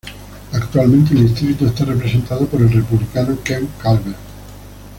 Actualmente el distrito está representado por el Republicano Ken Calvert.